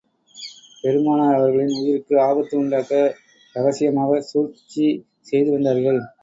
பெருமானார் அவர்களின் உயிருக்கும் ஆபத்து உண்டாக்க இரகசியமாகச் சூழ்ச்சி செய்து வந்தார்கள்.